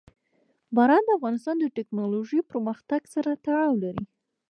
باران د افغانستان د تکنالوژۍ پرمختګ سره تړاو لري.